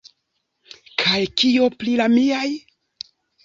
Kaj kio pri la miaj?